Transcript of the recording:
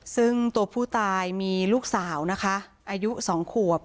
ซึ่งตัวผู้ตายมีลูกสาวนะคะอายุ๒ขวบ